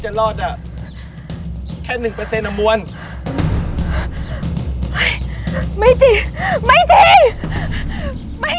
จนถึงวันนี้มาม้ามีเงิน๔ปี